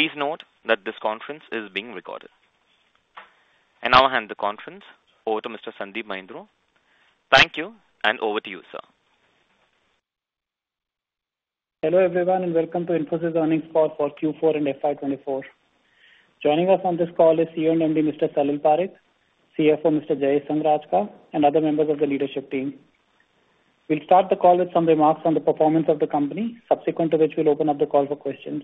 Please note that this conference is being recorded. In our hands, the conference. Over to Mr. Sandeep Mahindroo. Thank you, and over to you, sir. Hello everyone, and welcome to Infosys Earnings Call for Q4 and FY24. Joining us on this call is CEO and MD Mr. Salil Parekh, CFO Mr. Jayesh Sanghrajka, and other members of the leadership team. We'll start the call with some remarks on the performance of the company, subsequent to which we'll open up the call for questions.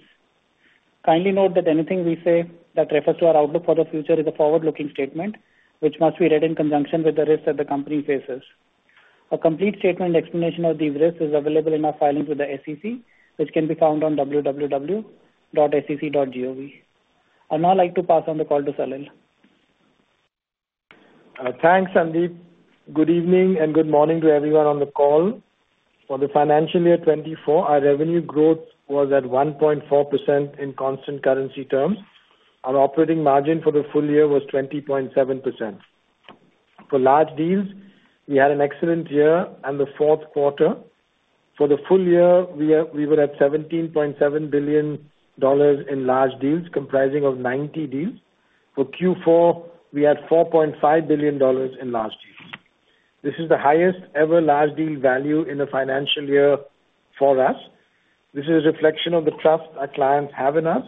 Kindly note that anything we say that refers to our outlook for the future is a forward-looking statement, which must be read in conjunction with the risks that the company faces. A complete statement and explanation of these risks is available in our filings with the SEC, which can be found on www.sec.gov. I'd now like to pass on the call to Salil. Thanks, Sandeep. Good evening and good morning to everyone on the call. For the financial year 2024, our revenue growth was at 1.4% in constant currency terms. Our operating margin for the full year was 20.7%. For large deals, we had an excellent year and the fourth quarter. For the full year, we were at $17.7 billion in large deals, comprising of 90 deals. For Q4, we had $4.5 billion in large deals. This is the highest-ever large deal value in a financial year for us. This is a reflection of the trust our clients have in us.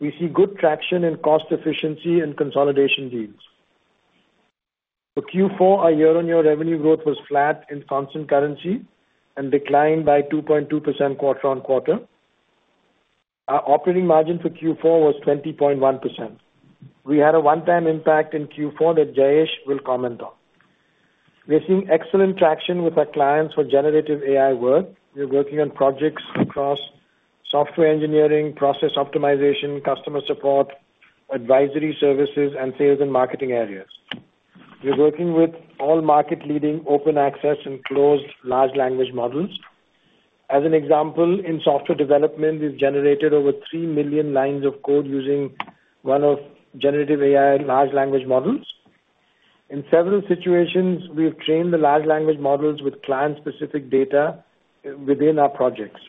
We see good traction in cost efficiency and consolidation deals. For Q4, our year-on-year revenue growth was flat in constant currency and declined by 2.2% quarter-on-quarter. Our operating margin for Q4 was 20.1%. We had a one-time impact in Q4 that Jayesh will comment on. We're seeing excellent traction with our clients for generative AI work. We're working on projects across software engineering, process optimization, customer support, advisory services, and sales and marketing areas. We're working with all market-leading open access and closed large language models. As an example, in software development, we've generated over three million lines of code using one of generative AI large language models. In several situations, we've trained the large language models with client-specific data within our projects.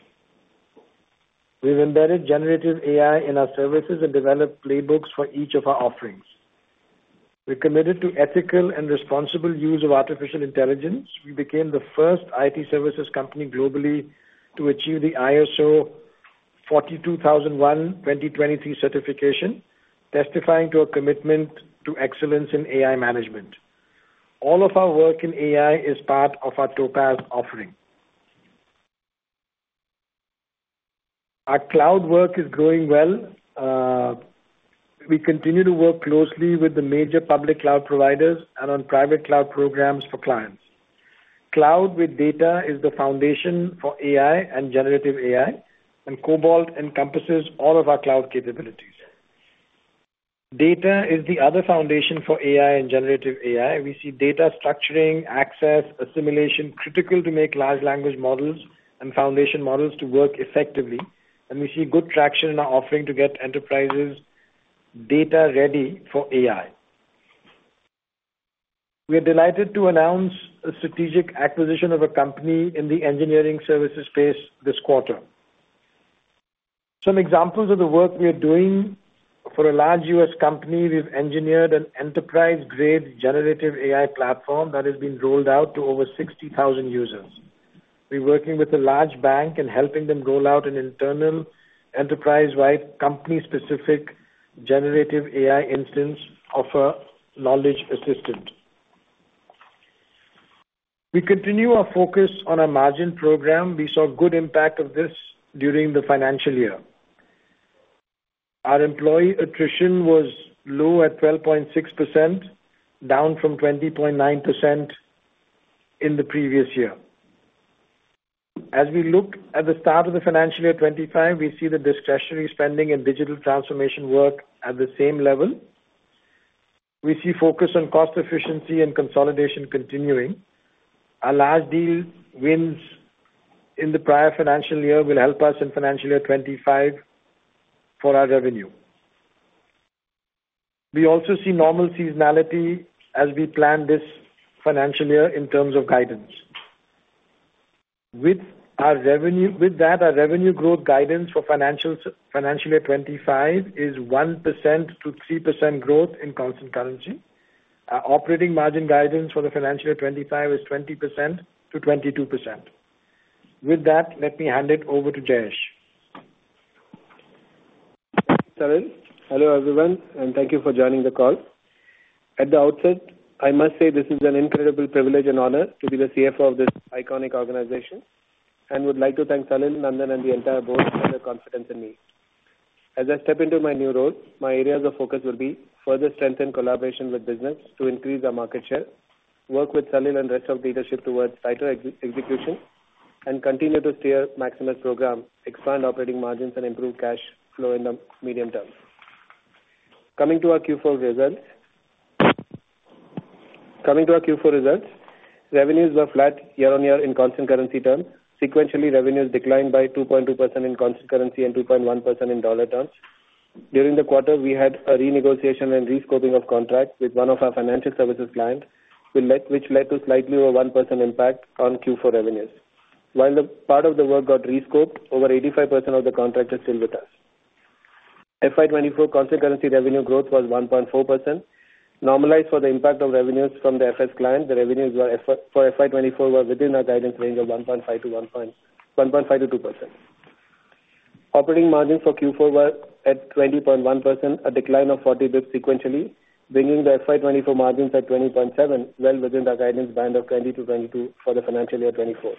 We've embedded generative AI in our services and developed playbooks for each of our offerings. We're committed to ethical and responsible use of artificial intelligence. We became the first IT services company globally to achieve the ISO 42001:2023 certification, testifying to our commitment to excellence in AI management. All of our work in AI is part of our Topaz offering. Our cloud work is growing well. We continue to work closely with the major public cloud providers and on private cloud programs for clients. Cloud with data is the foundation for AI and generative AI, and Cobalt encompasses all of our cloud capabilities. Data is the other foundation for AI and generative AI. We see data structuring, access, assimilation critical to make large language models and foundation models to work effectively. We see good traction in our offering to get enterprises data-ready for AI. We are delighted to announce a strategic acquisition of a company in the engineering services space this quarter. Some examples of the work we are doing: for a large U.S. company, we've engineered an enterprise-grade generative AI platform that has been rolled out to over 60,000 users. We're working with a large bank and helping them roll out an internal, enterprise-wide, company-specific generative AI instance of a knowledge assistant. We continue our focus on our margin program. We saw good impact of this during the financial year. Our employee attrition was low at 12.6%, down from 20.9% in the previous year. As we look at the start of the financial year 2025, we see the discretionary spending and digital transformation work at the same level. We see focus on cost efficiency and consolidation continuing. Our large deal wins in the prior financial year will help us in financial year 2025 for our revenue. We also see normal seasonality as we plan this financial year in terms of guidance. With that, our revenue growth guidance for financial year 2025 is 1%-3% growth in constant currency. Our operating margin guidance for the financial year 2025 is 20%-22%. With that, let me hand it over to Jayesh. Salil, hello everyone, and thank you for joining the call. At the outset, I must say this is an incredible privilege and honor to be the CFO of this iconic organization and would like to thank Salil, Nandan, and the entire board for their confidence in me. As I step into my new role, my areas of focus will be further strengthen collaboration with business to increase our market share, work with Salil and rest of leadership towards tighter execution, and continue to steer Maximus program, expand operating margins, and improve cash flow in the medium term. Coming to our Q4 results, revenues were flat year-on-year in constant currency terms. Sequentially, revenues declined by 2.2% in constant currency and 2.1% in dollar terms. During the quarter, we had a renegotiation and rescoping of contract with one of our financial services clients, which led to slightly over 1% impact on Q4 revenues. While part of the work got rescoped, over 85% of the contract is still with us. FY 2024 constant currency revenue growth was 1.4%. Normalized for the impact of revenues from the FS client, the revenues for FY24 were within our guidance range of 1.5%-2%. Operating margins for Q4 were at 20.1%, a decline of 40 basis points sequentially, bringing the FY24 margins at 20.7%, well within our guidance band of 20%-22% for the financial year 2024.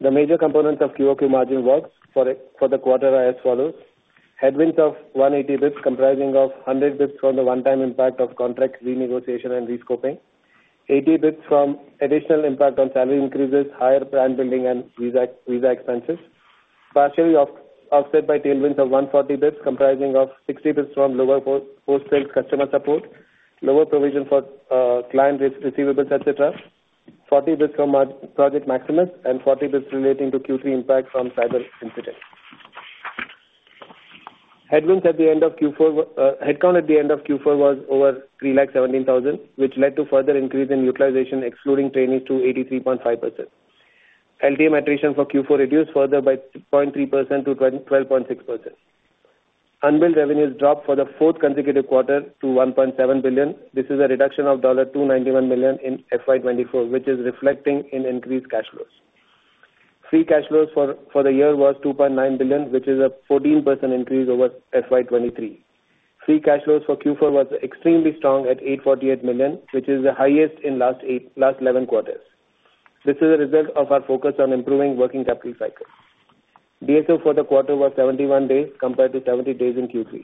The major components of QoQ margin works for the quarter are as follows: headwinds of 180 basis points comprising of 100 basis points from the one-time impact of contract renegotiation and rescoping, 80 basis points from additional impact on salary increases, higher brand building, and visa expenses, partially offset by tailwinds of 140 basis points comprising of 60 basis points from lower post-sales customer support, lower provision for client receivables, etc., 40 basis points from Project Maximus, and 40 basis points relating to Q3 impact from cyber incidents. Headcount at the end of Q4 was over 317,000, which led to further increase in utilization, excluding trainees, to 83.5%. LTM attrition for Q4 reduced further by 0.3% to 12.6%. Unbilled revenues dropped for the fourth consecutive quarter to $1.7 billion. This is a reduction of $291 million in FY 2024, which is reflecting in increased cash flows. Free cash flows for the year were $2.9 billion, which is a 14% increase over FY 2023. Free cash flows for Q4 were extremely strong at $848 million, which is the highest in last 11 quarters. This is a result of our focus on improving working capital cycle. DSO for the quarter was 71 days compared to 70 days in Q3.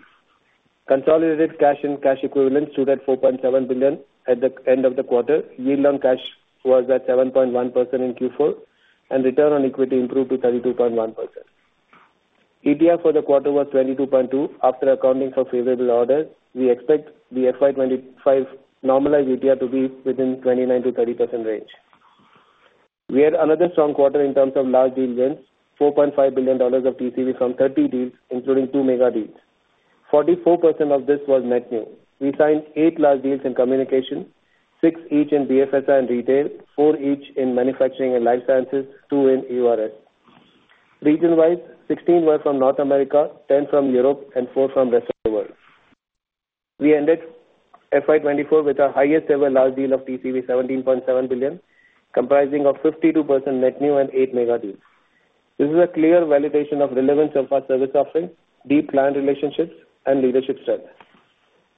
Consolidated cash and cash equivalents stood at $4.7 billion at the end of the quarter. Yield on cash was at 7.1% in Q4, and return on equity improved to 32.1%. ETR for the quarter was 22.2%. After accounting for favorable orders, we expect the FY25 normalized ETR to be within 29%-30% range. We had another strong quarter in terms of large deal wins, $4.5 billion of TCV from 30 deals, including two mega deals. 44% of this was net new. We signed eight large deals in communication, six each in BFSI and retail, four each in manufacturing and life sciences, two in EURS. Region-wise, 16 were from North America, 10 from Europe, and four from the rest of the world. We ended FY 2024 with our highest-ever large deal TCV of $17.7 billion, comprising of 52% net new and eight mega deals. This is a clear validation of relevance of our service offering, deep client relationships, and leadership strength.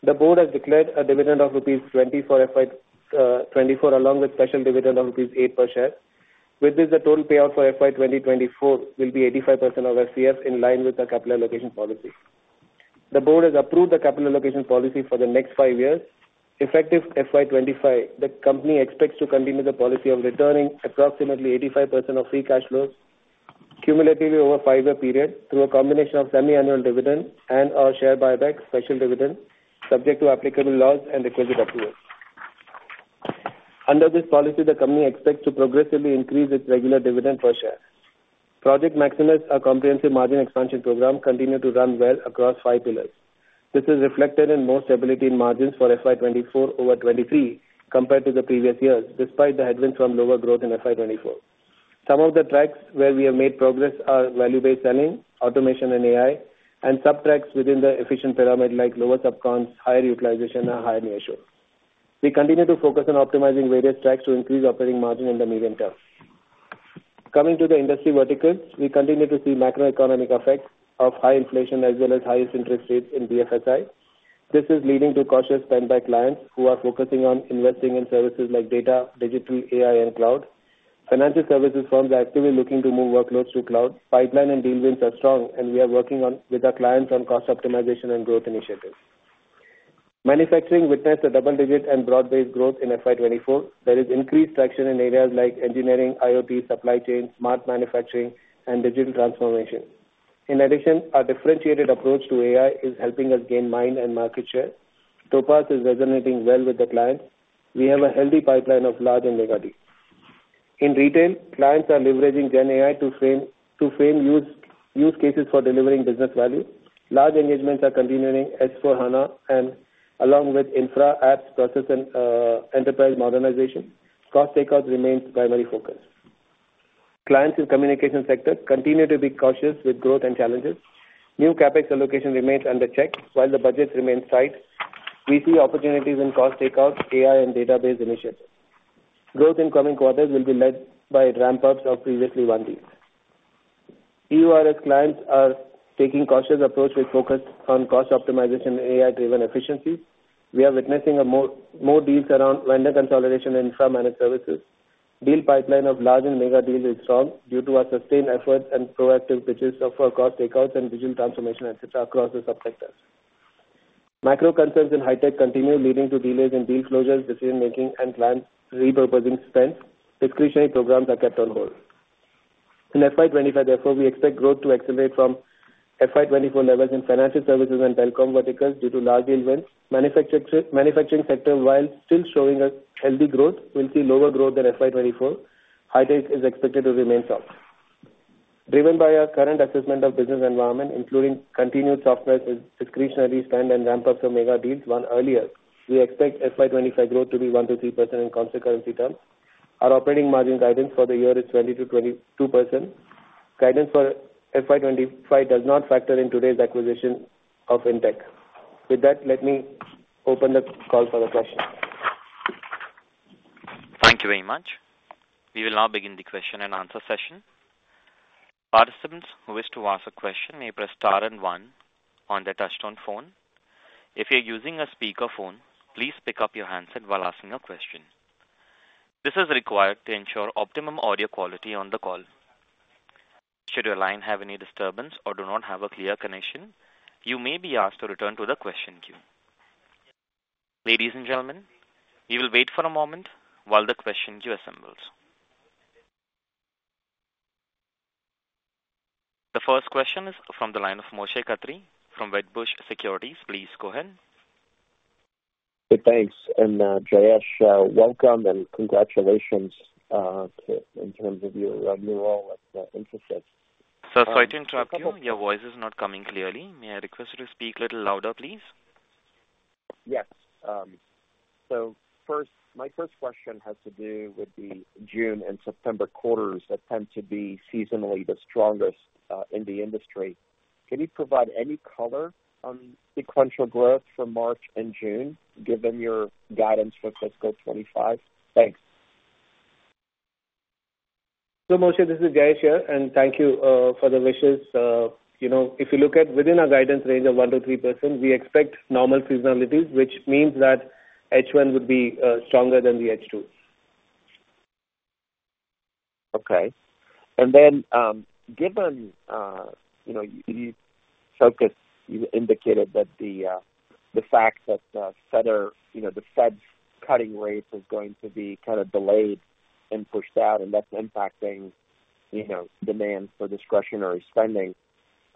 The board has declared a dividend of rupees 20 for FY 2024 along with a special dividend of INR eight per share. With this, the total payout for FY 2024 will be 85% of FCF in line with our capital allocation policy. The board has approved the capital allocation policy for the next five years. Effective FY 2025, the company expects to continue the policy of returning approximately 85% of free cash flows cumulatively over a five-year period through a combination of semi-annual dividend and/or share buyback, special dividend, subject to applicable laws and requisite approvals. Under this policy, the company expects to progressively increase its regular dividend per share. Project Maximus, our comprehensive margin expansion program, continues to run well across five pillars. This is reflected in more stability in margins for FY 2024 over 2023 compared to the previous years despite the headwinds from lower growth in FY 2024. Some of the tracks where we have made progress are value-based selling, automation and AI, and sub-tracks within the efficient pyramid like lower subcons higher utilization and higher NISHO. We continue to focus on optimizing various tracks to increase operating margin in the medium term. Coming to the industry verticals, we continue to see macroeconomic effects of high inflation as well as highest interest rates in BFSI. This is leading to cautious spend by clients who are focusing on investing in services like data, digital AI, and cloud. Financial services firms are actively looking to move workloads to cloud. Pipeline and deal wins are strong, and we are working with our clients on cost optimization and growth initiatives. Manufacturing witnessed a double-digit and broad-based growth in FY24. There is increased traction in areas like engineering, IoT, supply chain, smart manufacturing, and digital transformation. In addition, our differentiated approach to AI is helping us gain mind and market share. Topaz is resonating well with the clients. We have a healthy pipeline of large and mega deals. In retail, clients are leveraging GenAI to frame use cases for delivering business value. Large engagements are continuing as for HANA and along with infra, apps, process, and enterprise modernization. Cost takeout remains the primary focus. Clients in the communication sector continue to be cautious with growth and challenges. New CapEx allocation remains under check while the budgets remain tight. We see opportunities in cost takeout, AI, and database initiatives. Growth in coming quarters will be led by ramp-ups of previously won deals. EURS clients are taking a cautious approach with focus on cost optimization and AI-driven efficiencies. We are witnessing more deals around vendor consolidation and infra managed services. The deal pipeline of large and mega deals is strong due to our sustained efforts and proactive pitches for cost takeouts and digital transformation, etc., across the subsectors. Micro concerns in Hi-Tech continue leading to delays in deal closures, decision-making, and clients repurposing spend. Discretionary programs are kept on hold. In FY 2025, therefore, we expect growth to accelerate from FY 2024 levels in financial services and telecom verticals due to large deal wins. Manufacturing sector, while still showing healthy growth, will see lower growth than FY 2024. Hi-Tech is expected to remain soft. Driven by our current assessment of business environment, including continued software discretionary spend and ramp-ups of mega deals, won earlier, we expect FY 2025 growth to be 1%-3% in constant currency terms. Our operating margin guidance for the year is 20%-22%. Guidance for FY 2025 does not factor in today's acquisition of in-tech. With that, let me open the call for the questions. Thank you very much. We will now begin the question and answer session. Participants who wish to ask a question may press star and one on their touch-tone phone. If you're using a speakerphone, please pick up your handset while asking a question. This is required to ensure optimum audio quality on the call. Should your line have any disturbance or do not have a clear connection, you may be asked to return to the question queue. Ladies and gentlemen, we will wait for a moment while the question queue assembles. The first question is from the line of Moshe Katri from Wedbush Securities. Please go ahead. Thanks. Jayesh, welcome and congratulations in terms of your role at Infosys. Sorry to interrupt you. Your voice is not coming clearly. May I request you to speak a little louder, please? Yes. So my first question has to do with the June and September quarters that tend to be seasonally the strongest in the industry. Can you provide any color on sequential growth for March and June given your guidance for fiscal 2025? Thanks. So Moshe, this is Jayesh here, and thank you for the wishes. If you look at within our guidance range of 1%-3%, we expect normal seasonalities, which means that H1 would be stronger than the H2. Okay. And then given you indicated that the fact that the Fed's cutting rates is going to be kind of delayed and pushed out, and that's impacting demand for discretionary spending,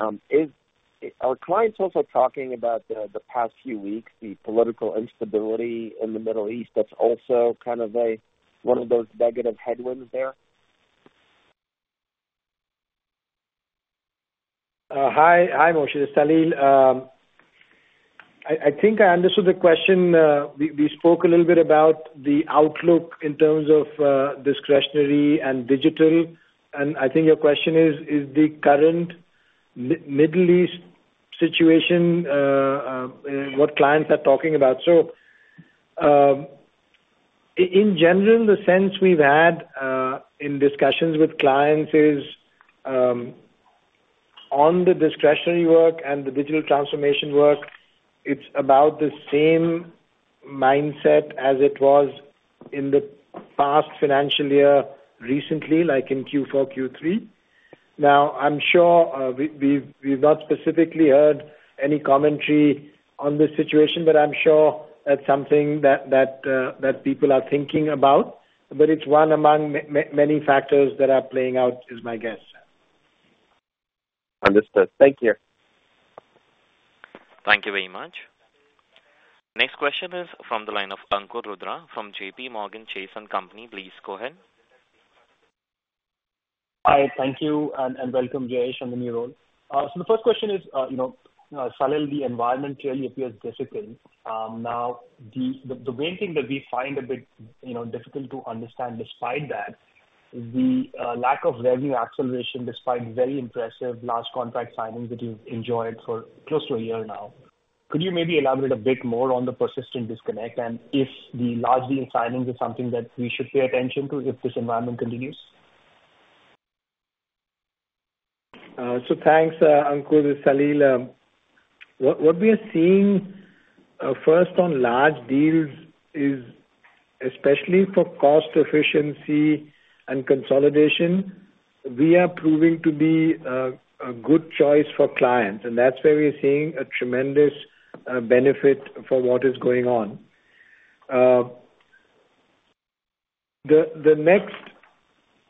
are clients also talking about the past few weeks, the political instability in the Middle East that's also kind of one of those negative headwinds there? Hi, Moshe. Salil, I think I understood the question. We spoke a little bit about the outlook in terms of discretionary and digital. And I think your question is, is the current Middle East situation what clients are talking about? So in general, the sense we've had in discussions with clients is on the discretionary work and the digital transformation work, it's about the same mindset as it was in the past financial year recently, like in Q4, Q3. Now, I'm sure we've not specifically heard any commentary on this situation, but I'm sure that's something that people are thinking about. But it's one among many factors that are playing out, is my guess. Understood. Thank you. Thank you very much. Next question is from the line of Ankur Rudra from J.P. Morgan Chase and Company. Please go ahead. Hi. Thank you and welcome, Jayesh, on the new role. The first question is, Salil, the environment clearly appears difficult. Now, the main thing that we find a bit difficult to understand despite that is the lack of revenue acceleration despite very impressive large contract signings that you've enjoyed for close to a year now. Could you maybe elaborate a bit more on the persistent disconnect and if the large deal signings is something that we should pay attention to if this environment continues? So thanks, Ankur. It's Salil. What we are seeing first on large deals is especially for cost efficiency and consolidation, we are proving to be a good choice for clients. And that's where we're seeing a tremendous benefit for what is going on.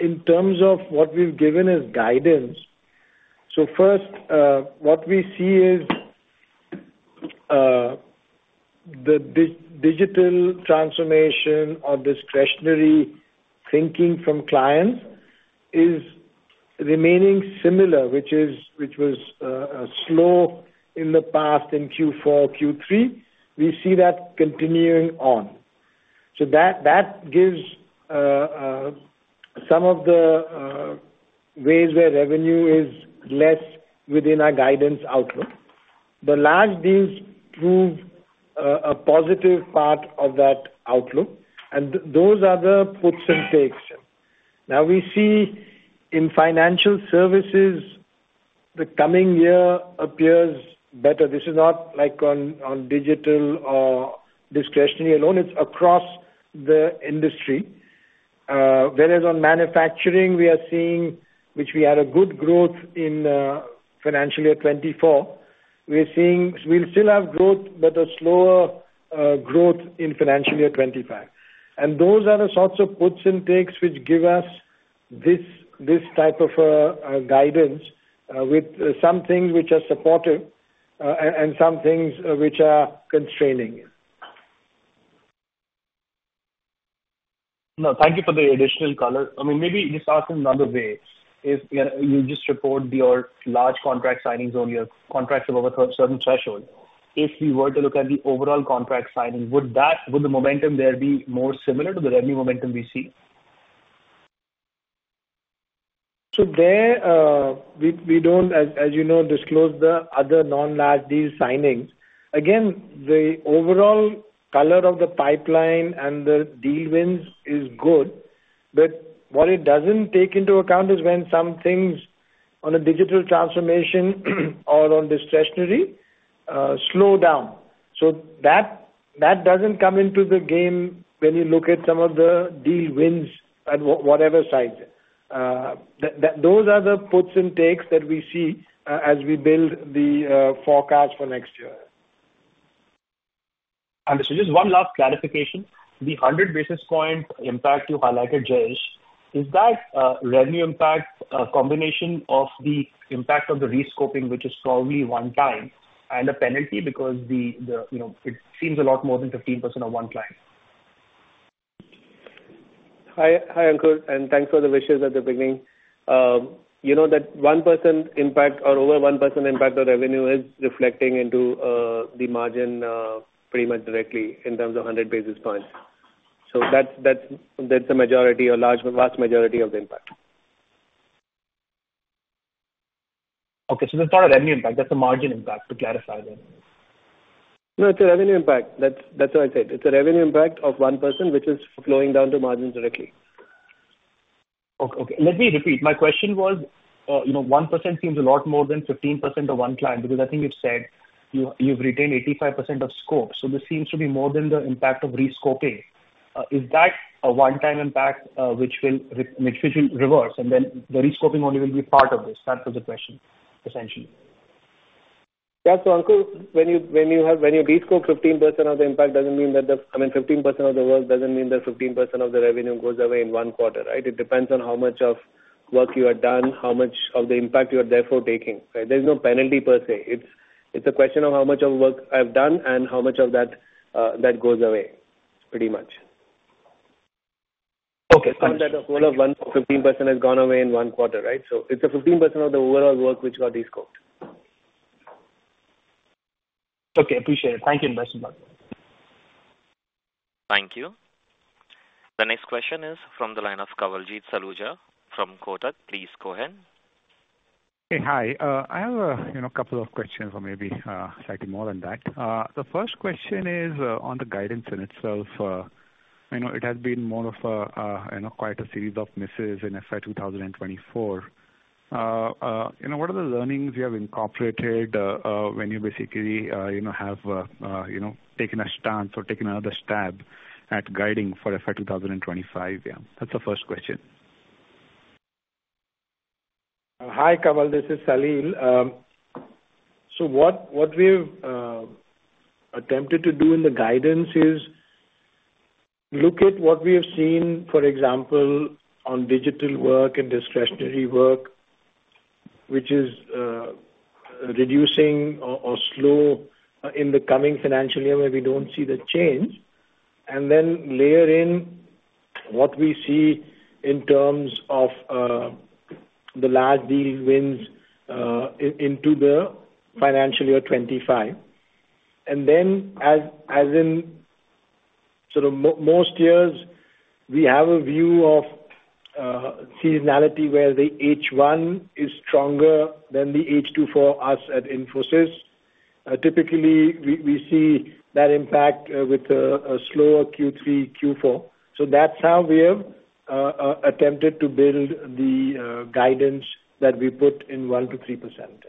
In terms of what we've given as guidance, so first, what we see is the digital transformation or discretionary thinking from clients is remaining similar, which was slow in the past in Q4, Q3. We see that continuing on. So that gives some of the ways where revenue is less within our guidance outlook. The large deals prove a positive part of that outlook. And those are the puts and takes. Now, we see in financial services, the coming year appears better. This is not on digital or discretionary alone. It's across the industry. Whereas on manufacturing, we are seeing which we had a good growth in financial year 2024, we'll still have growth but a slower growth in financial year 2025. And those are the sorts of puts and takes which give us this type of guidance with some things which are supportive and some things which are constraining. No, thank you for the additional color. I mean, maybe just ask in another way. You just reported your large contract signings on your contracts above a certain threshold. If we were to look at the overall contract signing, would the momentum there be more similar to the revenue momentum we see? So there, we don't, as you know, disclose the other non-large deal signings. Again, the overall color of the pipeline and the deal wins is good. But what it doesn't take into account is when some things on a digital transformation or on discretionary slow down. So that doesn't come into the game when you look at some of the deal wins at whatever size. Those are the puts and takes that we see as we build the forecast for next year. Understood. Just one last clarification. The 100 basis points impact you highlighted, Jayesh, is that revenue impact a combination of the impact of the rescoping, which is probably one-time, and a penalty because it seems a lot more than 15% of one client? Hi, Ankur. Thanks for the wishes at the beginning. That 1% impact or over 1% impact of revenue is reflecting into the margin pretty much directly in terms of 100 basis points. That's the vast majority of the impact. Okay. So that's not a revenue impact. That's a margin impact, to clarify then. No, it's a revenue impact. That's what I said. It's a revenue impact of 1%, which is flowing down to margins directly. Okay. Let me repeat. My question was, 1% seems a lot more than 15% of one client because I think you've said you've retained 85% of scope. So this seems to be more than the impact of rescoping. Is that a one-time impact which will reverse and then the rescoping only will be part of this? That was the question, essentially. Yeah. So Ankur, when you rescope 15% of the impact, doesn't mean that the I mean, 15% of the work doesn't mean that 15% of the revenue goes away in one quarter, right? It depends on how much of work you have done, how much of the impact you are therefore taking, right? There's no penalty per se. It's a question of how much of work I've done and how much of that goes away, pretty much. Okay. Thanks. On that whole of 1%, 15% has gone away in one quarter, right? So it's the 15% of the overall work which got rescoped. Okay. Appreciate it. Thank you, investment partner. Thank you. The next question is from the line of Kawaljeet Saluja from Kotak. Please go ahead. Okay. Hi. I have a couple of questions or maybe slightly more than that. The first question is on the guidance in itself. It has been more of quite a series of misses in FY2024. What are the learnings you have incorporated when you basically have taken a stance or taken another stab at guiding for FY2025? Yeah. That's the first question. Hi, Kawal. This is Salil. So what we've attempted to do in the guidance is look at what we have seen, for example, on digital work and discretionary work, which is reducing or slow in the coming financial year where we don't see the change, and then layer in what we see in terms of the large deal wins into the financial year 2025. And then, as in sort of most years, we have a view of seasonality where the H1 is stronger than the H2 for us at Infosys. Typically, we see that impact with a slower Q3, Q4. So that's how we have attempted to build the guidance that we put in 1%-3%. Okay. Is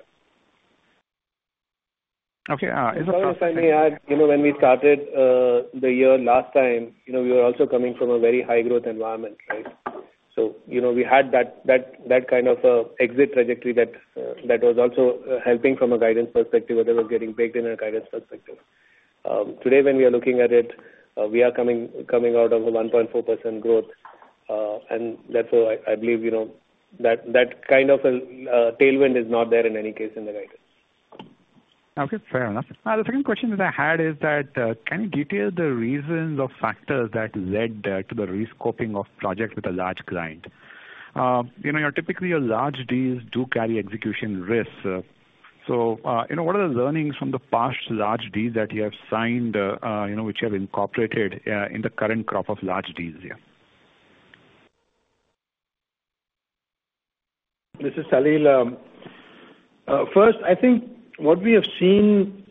the first. If I may add, when we started the year last time, we were also coming from a very high-growth environment, right? We had that kind of exit trajectory that was also helping from a guidance perspective or that was getting baked in our guidance perspective. Today, when we are looking at it, we are coming out of a 1.4% growth. Therefore, I believe that kind of a tailwind is not there in any case in the guidance. Okay. Fair enough. The second question that I had is that can you detail the reasons or factors that led to the rescoping of projects with a large client? Typically, your large deals do carry execution risks. So what are the learnings from the past large deals that you have signed, which you have incorporated, in the current crop of large deals here? This is Salil. First, I think what we have seen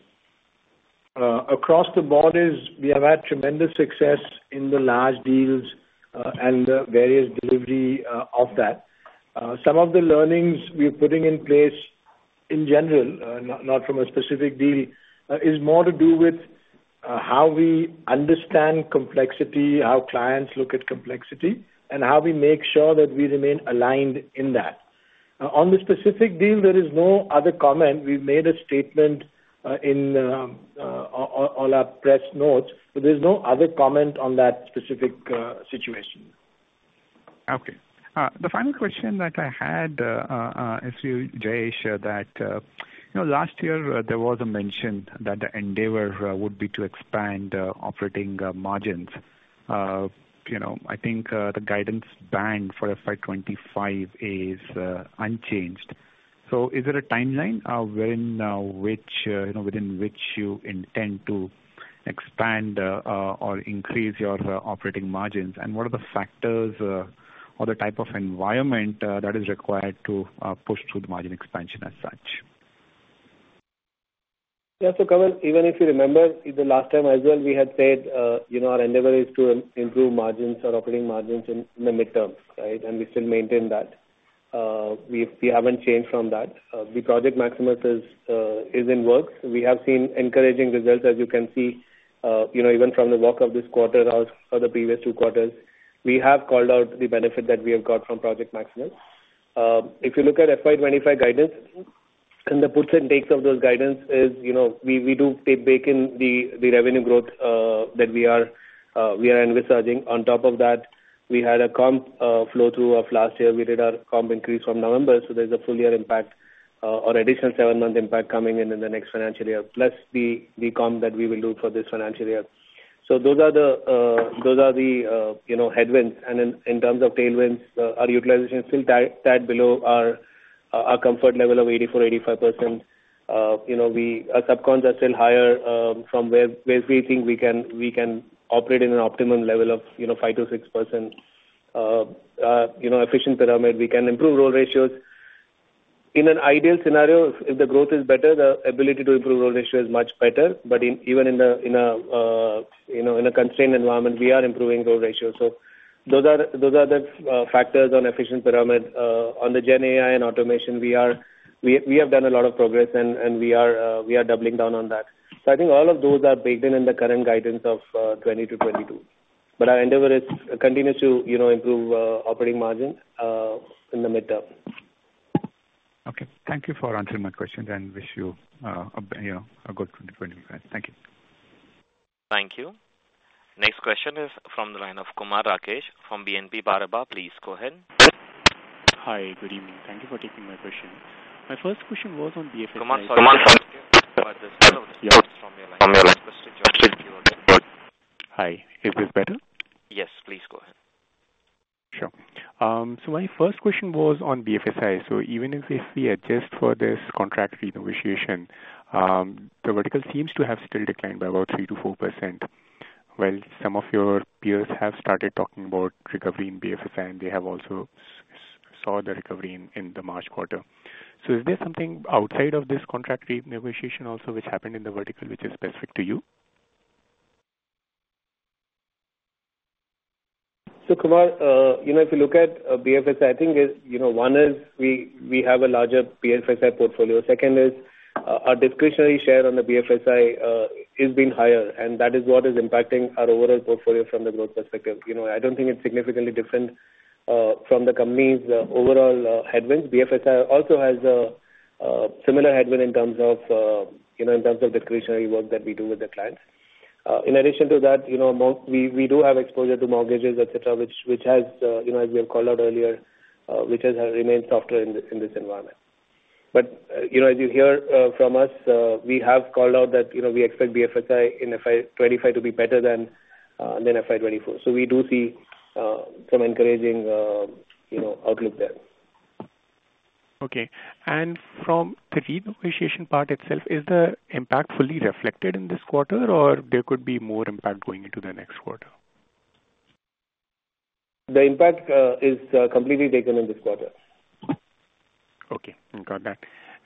across the board is we have had tremendous success in the large deals and the various delivery of that. Some of the learnings we are putting in place in general, not from a specific deal, is more to do with how we understand complexity, how clients look at complexity, and how we make sure that we remain aligned in that. On the specific deal, there is no other comment. We've made a statement in all our press notes, but there's no other comment on that specific situation. Okay. The final question that I had is to Jayesh that last year, there was a mention that the endeavor would be to expand operating margins. I think the guidance band for FY25 is unchanged. Is there a timeline within which you intend to expand or increase your operating margins? And what are the factors or the type of environment that is required to push through the margin expansion as such? Yeah. So Kawal, even if you remember, the last time as well, we had said our endeavor is to improve margins or operating margins in the midterm, right? And we still maintain that. We haven't changed from that. The Project Maximus is in works. We have seen encouraging results, as you can see, even from the walk of this quarter or the previous two quarters. We have called out the benefit that we have got from Project Maximus. If you look at FY25 guidance, then the puts and takes of those guidance is we do take back in the revenue growth that we are envisaging. On top of that, we had a comp flow-through of last year. We did our comp increase from November. So there's a full-year impact or additional 7-month impact coming in in the next financial year, plus the comp that we will do for this financial year. So those are the headwinds. And in terms of tailwinds, our utilization is still tight below our comfort level of 84%-85%. Our subcons are still higher from where we think we can operate in an optimum level of 5%-6% efficient pyramid. We can improve role ratios. In an ideal scenario, if the growth is better, the ability to improve role ratio is much better. But even in a constrained environment, we are improving role ratios. So those are the factors on efficient pyramid. On the GenAI and automation, we have done a lot of progress, and we are doubling down on that. I think all of those are baked in the current guidance of 2020-2022. But our endeavor continues to improve operating margin in the midterm. Okay. Thank you for answering my questions and wish you a good 2025. Thank you. Thank you. Next question is from the line of Kumar Rakesh from BNP Paribas. Please go ahead. Hi. Good evening. Thank you for taking my question. My first question was on BFSI. Hi. Is this better? Yes. Please go ahead. Sure. My first question was on BFSI. Even if we adjust for this contract renegotiation, the vertical seems to have still declined by about 3%-4%. While some of your peers have started talking about recovery in BFSI, and they have also saw the recovery in the March quarter. Is there something outside of this contract renegotiation also which happened in the vertical which is specific to you? So Kumar, if you look at BFSI, I think one is we have a larger BFSI portfolio. Second is our discretionary share on the BFSI has been higher. And that is what is impacting our overall portfolio from the growth perspective. I don't think it's significantly different from the companies' overall headwinds. BFSI also has a similar headwind in terms of discretionary work that we do with the clients. In addition to that, we do have exposure to mortgages, etc., which has, as we have called out earlier, which has remained softer in this environment. But as you hear from us, we have called out that we expect BFSI in FY 2025 to be better than FY 2024. So we do see some encouraging outlook there. Okay. And from the renegotiation part itself, is the impact fully reflected in this quarter, or there could be more impact going into the next quarter? The impact is completely taken in this quarter. Okay. Got that.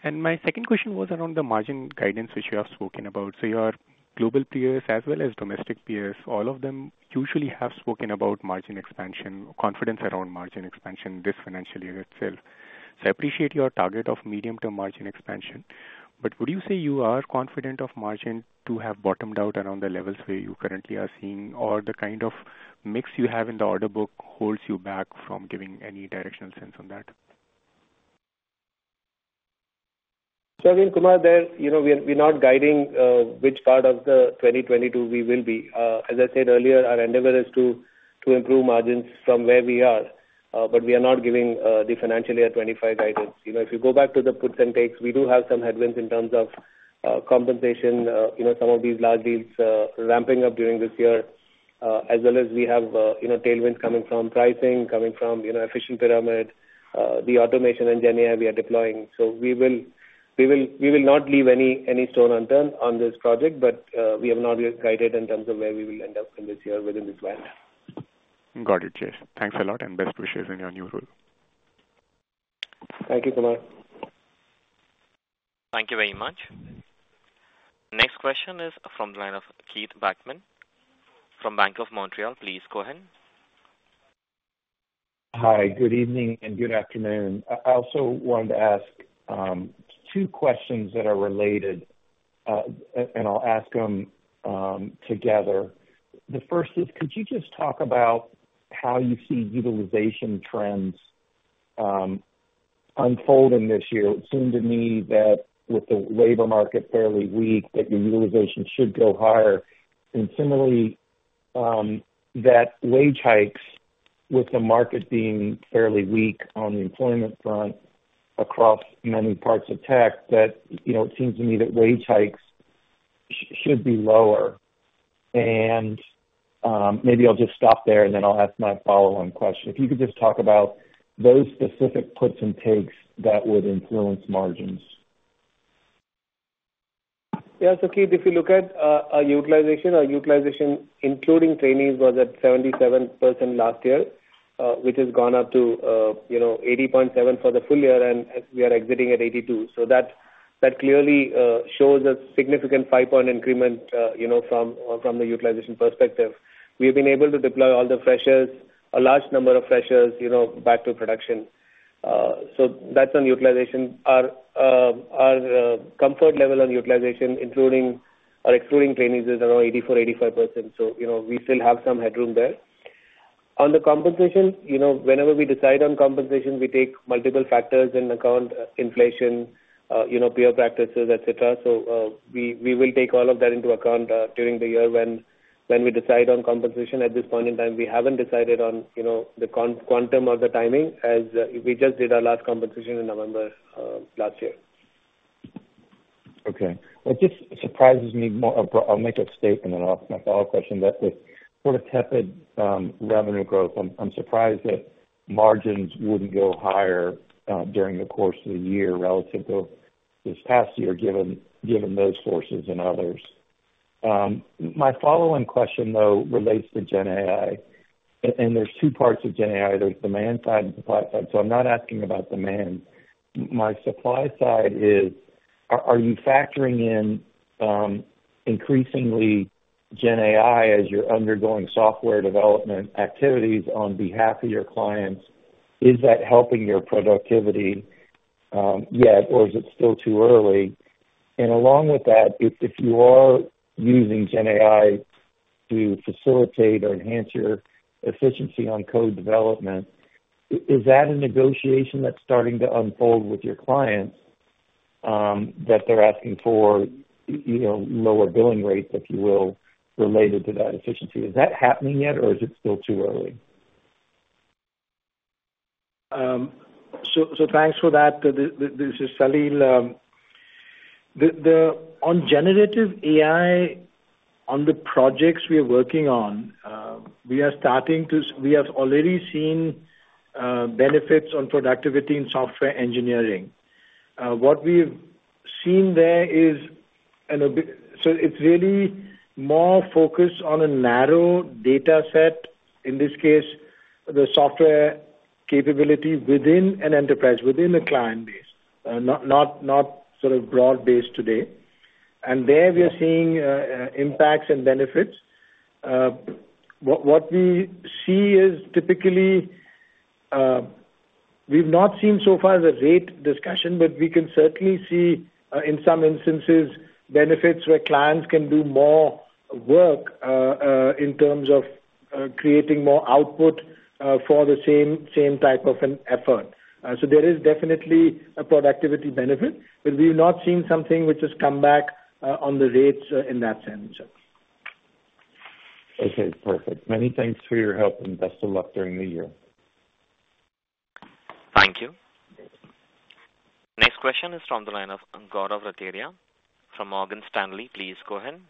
And my second question was around the margin guidance which you have spoken about. So your global peers as well as domestic peers, all of them usually have spoken about margin expansion, confidence around margin expansion this financial year itself. So I appreciate your target of medium-term margin expansion. But would you say you are confident of margin to have bottomed out around the levels where you currently are seeing, or the kind of mix you have in the order book holds you back from giving any directional sense on that? So again, Kumar, we're not guiding which part of the 2022 we will be. As I said earlier, our endeavor is to improve margins from where we are. But we are not giving the financial year 2025 guidance. If you go back to the puts and takes, we do have some headwinds in terms of compensation, some of these large deals ramping up during this year, as well as we have tailwinds coming from pricing, coming from efficient pyramid, the automation and GenAI we are deploying. So we will not leave any stone unturned on this project, but we have not guided in terms of where we will end up in this year within this band. Got it, Jayesh. Thanks a lot and best wishes in your new role. Thank you, Kumar. Thank you very much. Next question is from the line of Keith Bachman from Bank of Montreal. Please go ahead. Hi. Good evening and good afternoon. I also wanted to ask two questions that are related, and I'll ask them together. The first is, could you just talk about how you see utilization trends unfolding this year? It seemed to me that with the labor market fairly weak, that your utilization should go higher. And similarly, that wage hikes, with the market being fairly weak on the employment front across many parts of tech, that it seems to me that wage hikes should be lower. And maybe I'll just stop there, and then I'll ask my follow-on question. If you could just talk about those specific puts and takes that would influence margins. Yeah. So Keith, if you look at our utilization, our utilization including trainees was at 77% last year, which has gone up to 80.7% for the full year, and we are exiting at 82%. So that clearly shows a significant five-point increment from the utilization perspective. We have been able to deploy all the freshers, a large number of freshers, back to production. So that's on utilization. Our comfort level on utilization, including or excluding trainees, is around 84%-85%. So we still have some headroom there. On the compensation, whenever we decide on compensation, we take multiple factors into account: inflation, peer practices, etc. So we will take all of that into account during the year when we decide on compensation. At this point in time, we haven't decided on the quantum of the timing as we just did our last compensation in November last year. Okay. It just surprises me more. I'll make a statement, and then I'll ask my follow-up question. That, with sort of tepid revenue growth, I'm surprised that margins wouldn't go higher during the course of the year relative to this past year, given those sources and others. My following question, though, relates to GenAI. And there's two parts of GenAI. There's demand side and supply side. So I'm not asking about demand. My supply side is, are you factoring in increasingly GenAI as you're undergoing software development activities on behalf of your clients? Is that helping your productivity yet, or is it still too early? And along with that, if you are using GenAI to facilitate or enhance your efficiency on code development, is that a negotiation that's starting to unfold with your clients that they're asking for lower billing rates, if you will, related to that efficiency? Is that happening yet, or is it still too early? So thanks for that. This is Salil. On generative AI, on the projects we are working on, we are starting to, we have already seen benefits on productivity in software engineering. What we've seen there is, so it's really more focused on a narrow dataset, in this case, the software capability within an enterprise, within a client base, not sort of broad-based today. And there, we are seeing impacts and benefits. What we see is typically we've not seen so far the rate discussion, but we can certainly see, in some instances, benefits where clients can do more work in terms of creating more output for the same type of an effort. So there is definitely a productivity benefit, but we've not seen something which has come back on the rates in that sense. Okay. Perfect. Many thanks for your help, and best of luck during the year. Thank you. Next question is from the line of Gaurav Rateria from Morgan Stanley. Please go ahead.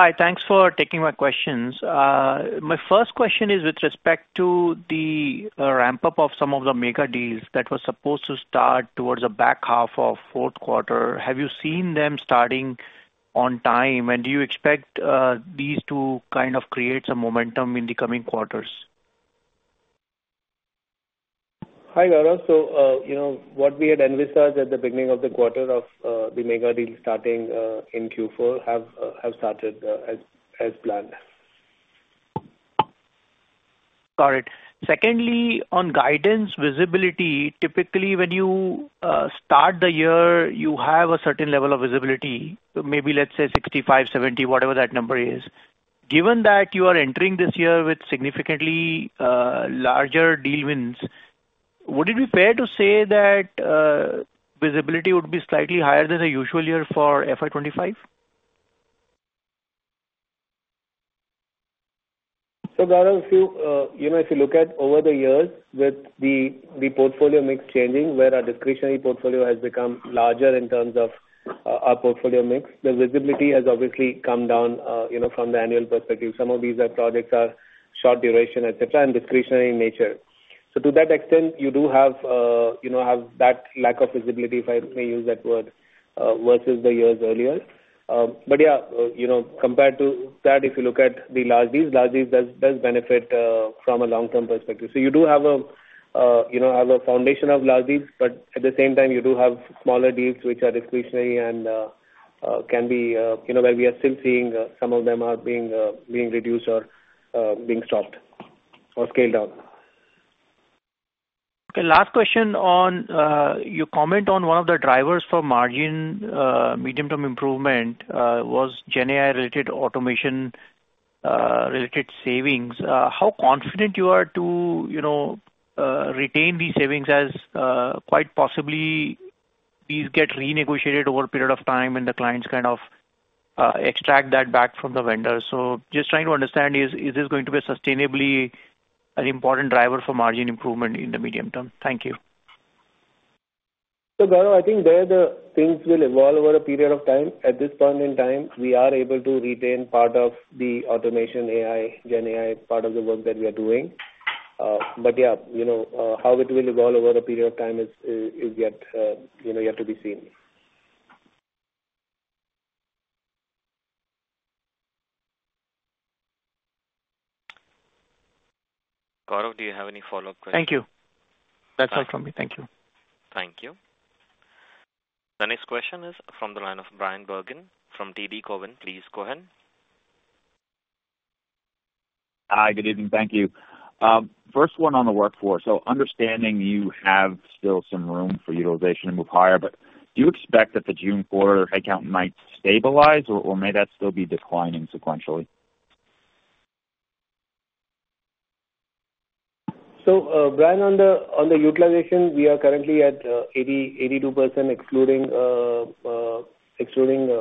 Hi. Thanks for taking my questions. My first question is with respect to the ramp-up of some of the mega deals that were supposed to start towards the back half of fourth quarter. Have you seen them starting on time, and do you expect these to kind of create some momentum in the coming quarters? Hi, Gaurav. So what we had envisaged at the beginning of the quarter of the mega deals starting in Q4 have started as planned. Got it. Secondly, on guidance visibility, typically, when you start the year, you have a certain level of visibility. Maybe, let's say, 65, 70, whatever that number is. Given that you are entering this year with significantly larger deal wins, would it be fair to say that visibility would be slightly higher than a usual year for FY25? So Gaurav, if you look at over the years with the portfolio mix changing, where our discretionary portfolio has become larger in terms of our portfolio mix, the visibility has obviously come down from the annual perspective. Some of these projects are short-duration, etc., and discretionary in nature. So to that extent, you do have that lack of visibility, if I may use that word, versus the years earlier. But yeah, compared to that, if you look at the large deals, large deals do benefit from a long-term perspective. So you do have a foundation of large deals, but at the same time, you do have smaller deals which are discretionary and can be where we are still seeing some of them are being reduced or being stopped or scaled down. Okay. Last question on your comment on one of the drivers for margin, medium-term improvement was GenAI-related automation-related savings. How confident you are to retain these savings as quite possibly these get renegotiated over a period of time, and the clients kind of extract that back from the vendor? So just trying to understand, is this going to be sustainably an important driver for margin improvement in the medium term? Thank you. So Gaurav, I think things will evolve over a period of time. At this point in time, we are able to retain part of the automation, AI, GenAI, part of the work that we are doing. But yeah, how it will evolve over a period of time is yet to be seen. Gaurav, do you have any follow-up questions? Thank you. That's all from me. Thank you. Thank you. The next question is from the line of Bryan Bergin from TD Cowen. Please go ahead. Hi. Good evening. Thank you. First one on the workforce. So understanding you have still some room for utilization to move higher, but do you expect that the June quarter headcount might stabilize, or may that still be declining sequentially? Bryan, on the utilization, we are currently at 82% excluding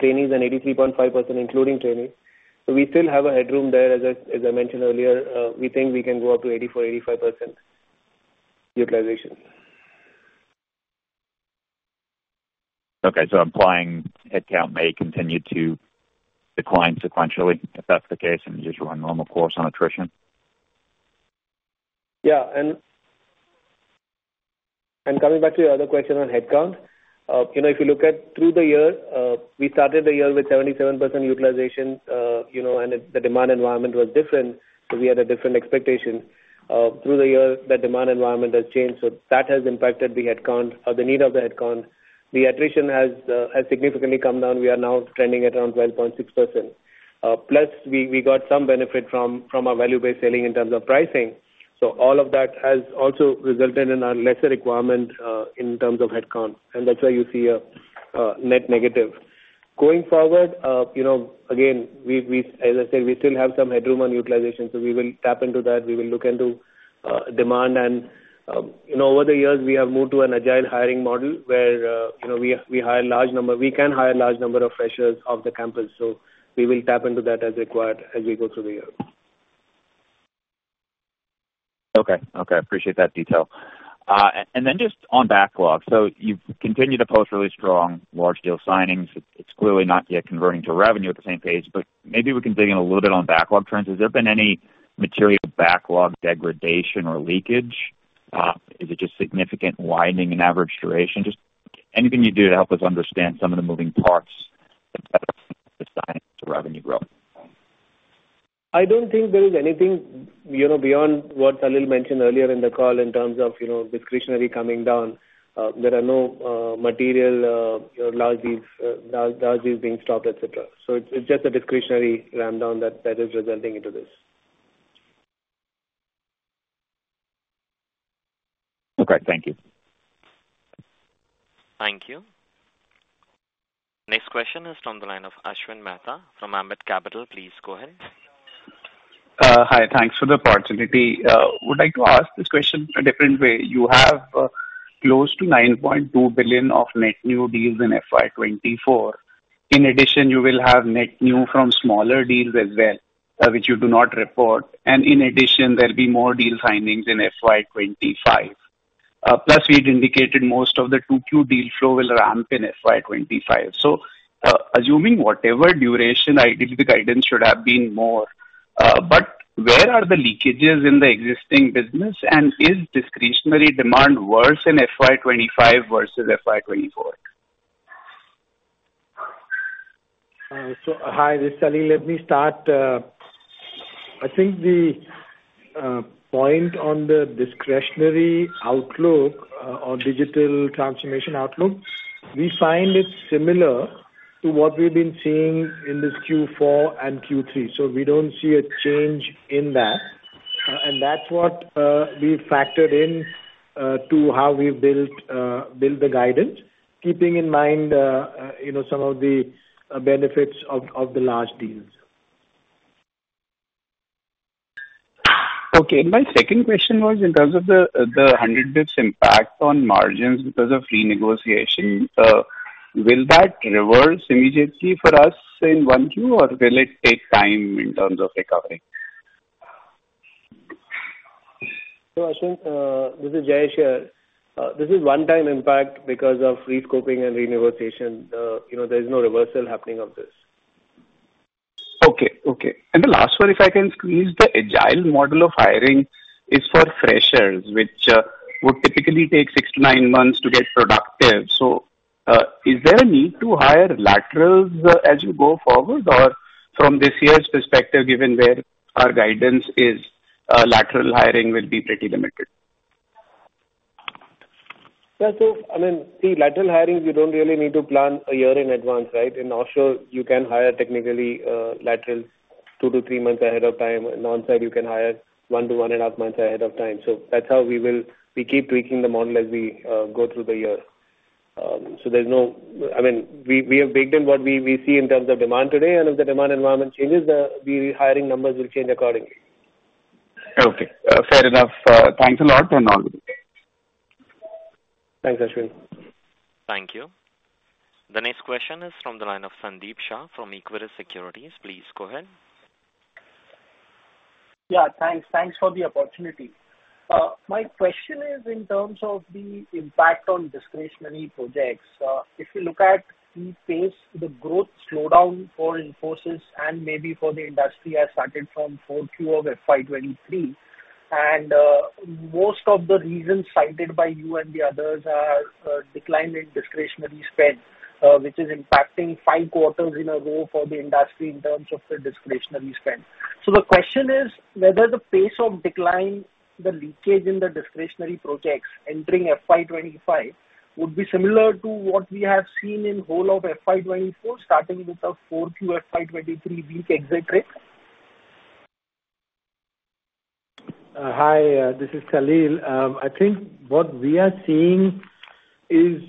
trainees and 83.5% including trainees. We still have a headroom there. As I mentioned earlier, we think we can go up to 84%-85% utilization. Okay. So implying headcount may continue to decline sequentially if that's the case and just run normal course on attrition? Yeah. And coming back to your other question on headcount, if you look at through the year, we started the year with 77% utilization, and the demand environment was different, so we had a different expectation. Through the year, that demand environment has changed, so that has impacted the headcount, the need of the headcount. The attrition has significantly come down. We are now trending at around 12.6%. Plus, we got some benefit from our value-based selling in terms of pricing. So all of that has also resulted in a lesser requirement in terms of headcount. And that's why you see a net negative. Going forward, again, as I said, we still have some headroom on utilization, so we will tap into that. We will look into demand. Over the years, we have moved to an agile hiring model where we can hire a large number of freshers off the campus. We will tap into that as required as we go through the year. Okay. Okay. Appreciate that detail. And then just on backlog. So you've continued to post really strong large-deal signings. It's clearly not yet converting to revenue at the same pace, but maybe we can dig in a little bit on backlog trends. Has there been any material backlog degradation or leakage? Is it just significant widening in average duration? Just anything you do to help us understand some of the moving parts that better affect the signing to revenue growth. I don't think there is anything beyond what Salil mentioned earlier in the call in terms of discretionary coming down. There are no material large deals being stopped, etc. So it's just a discretionary rundown that is resulting into this. Okay. Thank you. Thank you. Next question is from the line of Ashwin Mehta from Ambit Capital. Please go ahead. Hi. Thanks for the opportunity. Would like to ask this question a different way. You have close to $9.2 billion of net new deals in FY 2024. In addition, you will have net new from smaller deals as well, which you do not report. And in addition, there'll be more deal signings in FY 2025. Plus, we'd indicated most of the 2Q deal flow will ramp in FY 2025. So assuming whatever duration, ideally, the guidance should have been more. But where are the leakages in the existing business, and is discretionary demand worse in FY 2025 versus FY 2024? Hi, this is Salil. Let me start. I think the point on the discretionary outlook or digital transformation outlook, we find it's similar to what we've been seeing in this Q4 and Q3. We don't see a change in that. That's what we factored into how we've built the guidance, keeping in mind some of the benefits of the large deals. Okay. My second question was, in terms of the 100 basis points impact on margins because of renegotiation, will that reverse immediately for us in 1Q, or will it take time in terms of recovery? Ashwin, this is Jayesh here. This is one-time impact because of rescoping and renegotiation. There is no reversal happening of this. Okay. Okay. And the last one, if I can squeeze, the agile model of hiring is for freshers, which would typically take six to nine months to get productive. So is there a need to hire laterals as you go forward, or from this year's perspective, given where our guidance is, lateral hiring will be pretty limited? Yeah. So I mean, see, lateral hiring, you don't really need to plan a year in advance, right? In offshore, you can hire technically laterals two to three months ahead of time. On onsite, you can hire 1-1.5 months ahead of time. So that's how we keep tweaking the model as we go through the year. So there's no I mean, we have baked in what we see in terms of demand today. And if the demand environment changes, the hiring numbers will change accordingly. Okay. Fair enough. Thanks a lot, and all the best. Thanks, Ashwin. Thank you. The next question is from the line of Sandeep Shah from Equirus Securities. Please go ahead. Yeah. Thanks. Thanks for the opportunity. My question is in terms of the impact on discretionary projects. If you look at the pace, the growth slowdown for Infosys and maybe for the industry has started from Q4 of FY 2023. And most of the reasons cited by you and the others are decline in discretionary spend, which is impacting five quarters in a row for the industry in terms of the discretionary spend. So the question is whether the pace of decline, the leakage in the discretionary projects entering FY 2025 would be similar to what we have seen in whole of FY 2024, starting with the Q4 FY 2023 weak exit rate? Hi. This is Salil. I think what we are seeing is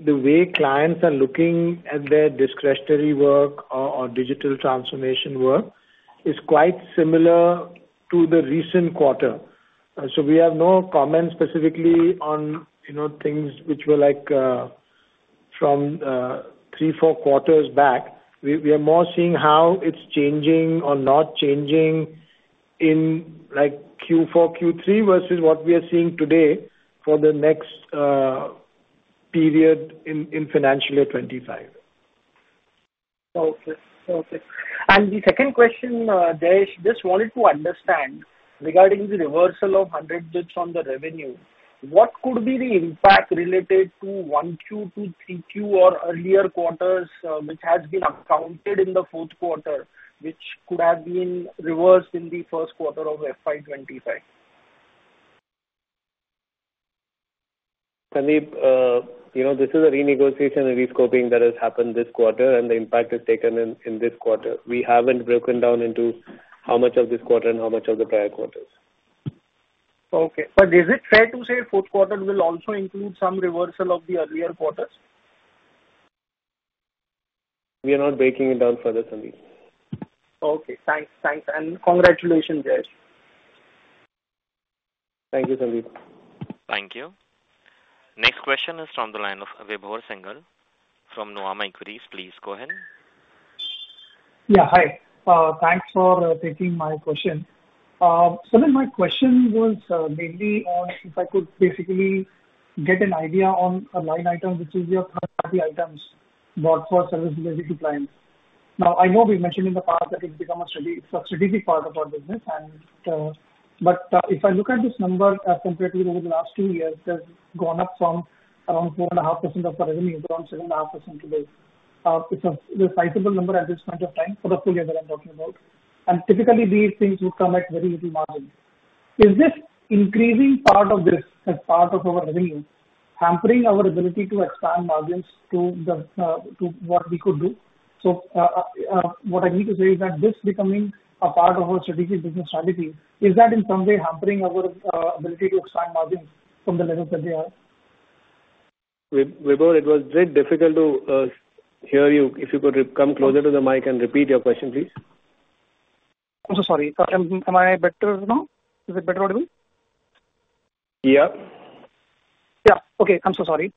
the way clients are looking at their discretionary work or digital transformation work is quite similar to the recent quarter. So we have no comments specifically on things which were from three, four quarters back. We are more seeing how it's changing or not changing in Q4, Q3 versus what we are seeing today for the next period in financial year 2025. The second question, Jayesh, just wanted to understand regarding the reversal of 100 basis points on the revenue, what could be the impact related to 1Q, 2Q, 3Q, or earlier quarters which has been accounted in the fourth quarter, which could have been reversed in the first quarter of FY25? Sandeep, this is a renegotiation and rescoping that has happened this quarter, and the impact is taken in this quarter. We haven't broken down into how much of this quarter and how much of the prior quarters. Okay. But is it fair to say fourth quarter will also include some reversal of the earlier quarters? We are not breaking it down further, Sandeep. Okay. Thanks. Thanks. And congratulations, Jayesh. Thank you, Sandeep. Thank you. Next question is from the line of Vibhor Singhal from Nuvama Equities. Please go ahead. Yeah. Hi. Thanks for taking my question. Some of my questions was mainly on if I could basically get an idea on a line item, which is your third-party items bought for service-related clients. Now, I know we mentioned in the past that it's become a strategic part of our business. But if I look at this number comparatively over the last two years, it has gone up from around 4.5% of our revenue to around 7.5% today. It's a sizable number at this point of time for the full year that I'm talking about. And typically, these things would come at very little margin. Is this increasing part of this as part of our revenue hampering our ability to expand margins to what we could do? What I need to say is that this becoming a part of our strategic business strategy, is that in some way hampering our ability to expand margins from the levels that they are? Vibhor, it was very difficult to hear you. If you could come closer to the mic and repeat your question, please. I'm so sorry. Am I better now? Is it better audible? Yeah. Yeah. Okay. I'm so sorry.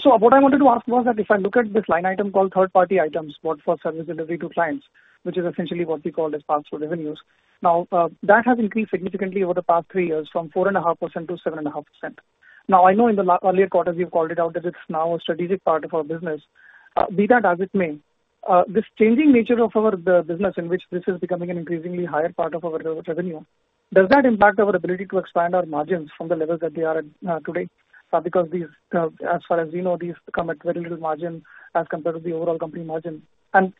So what I wanted to ask was that if I look at this line item called third-party items, bought for service delivery to clients, which is essentially what we called as pass-through revenues, now, that has increased significantly over the past three years from 4.5%-7.5%. Now, I know in the earlier quarters, you've called it out that it's now a strategic part of our business. Be that as it may, this changing nature of our business in which this is becoming an increasingly higher part of our revenue, does that impact our ability to expand our margins from the levels that they are at today? Because as far as we know, these come at very little margin as compared to the overall company margin.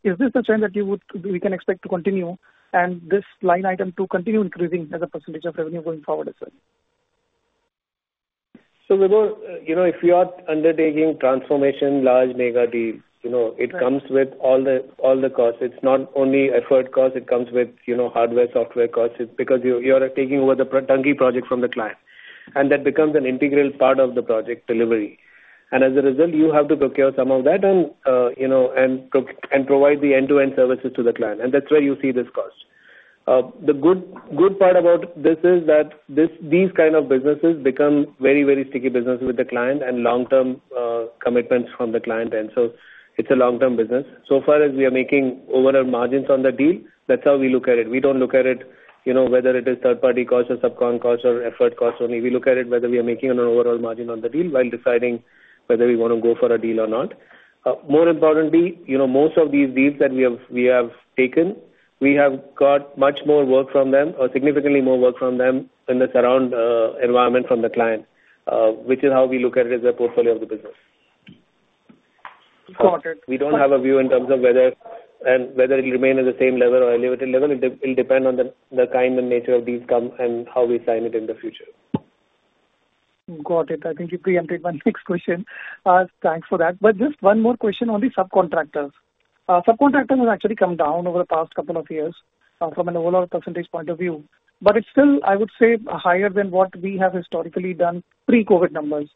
Is this a trend that we can expect to continue and this line item to continue increasing as a percentage of revenue going forward as well? So Vibhor, if you are undertaking transformation, large mega deal, it comes with all the costs. It's not only effort costs. It comes with hardware, software costs because you are taking over the turnkey project from the client. And that becomes an integral part of the project delivery. And as a result, you have to procure some of that and provide the end-to-end services to the client. And that's where you see this cost. The good part about this is that these kind of businesses become very, very sticky businesses with the client and long-term commitments from the client. And so it's a long-term business. So far as we are making overall margins on the deal, that's how we look at it. We don't look at it whether it is third-party cost or subcont cost or effort cost only. We look at it, whether we are making an overall margin on the deal while deciding whether we want to go for a deal or not. More importantly, most of these deals that we have taken, we have got much more work from them or significantly more work from them in the surrounding environment from the client, which is how we look at it as a portfolio of the business. We don't have a view in terms of whether it'll remain at the same level or elevated level. It'll depend on the kind and nature of deals come and how we sign it in the future. Got it. I think you preempted my next question. Thanks for that. But just one more question on the subcontractors. Subcontractors have actually come down over the past couple of years from an overall percentage point of view. But it's still, I would say, higher than what we have historically done pre-COVID numbers.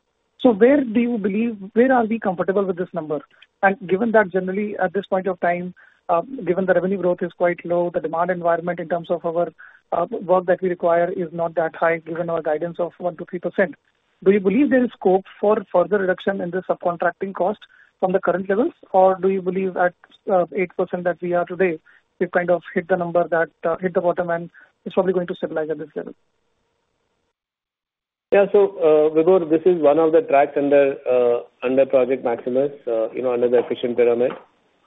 So where do you believe we are comfortable with this number? And given that generally, at this point of time, given the revenue growth is quite low, the demand environment in terms of our work that we require is not that high given our guidance of 1%-3%, do you believe there is scope for further reduction in the subcontracting cost from the current levels, or do you believe at 8% that we are today, we've kind of hit the bottom and it's probably going to stabilize at this level? Yeah. So Vibhor, this is one of the tracks under Project Maximus, under the efficient pyramid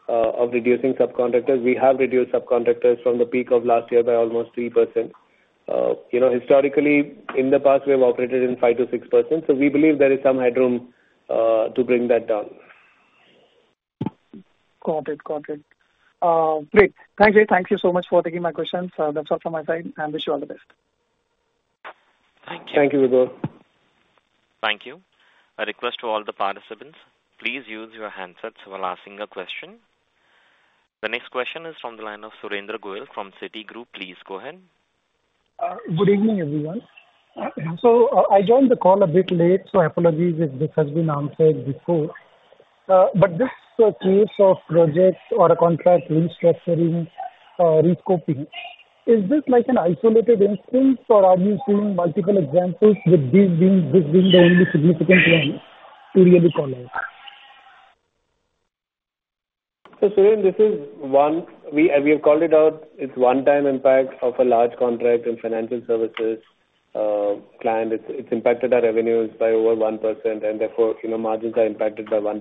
of reducing subcontractors. We have reduced subcontractors from the peak of last year by almost 3%. Historically, in the past, we have operated in 5%-6%. So we believe there is some headroom to bring that down. Got it. Got it. Great. Thank you. Thank you so much for taking my questions. That's all from my side. I wish you all the best. Thank you. Thank you, Vibhor. Thank you. A request to all the participants, please use your handsets while asking a question. The next question is from the line of Surendra Goyal from Citigroup. Please go ahead. Good evening, everyone. So I joined the call a bit late, so apologies if this has been answered before. But this case of project or a contract restructuring, rescoping, is this an isolated instance, or are you seeing multiple examples with this being the only significant one to really call out? So Surendra, this is one. We have called it out. It's one-time impact of a large contract in financial services client. It's impacted our revenues by over 1%, and therefore, margins are impacted by 1%.